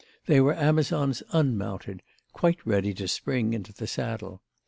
They were amazons unmounted, quite ready to spring into the saddle.